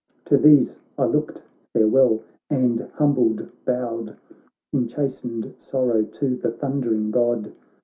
To these I looked farewell, and humbled, bowed In chastened sorrow to the thundering God.